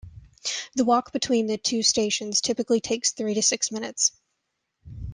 The walk between the two stations typically takes three to six minutes.